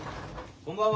・こんばんは。